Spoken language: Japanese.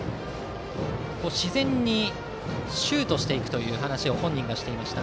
自然にシュートしていくという話を本人がしていました。